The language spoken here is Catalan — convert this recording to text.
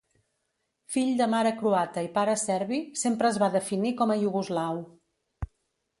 Fill de mare croata i pare serbi, sempre es va definir com a iugoslau.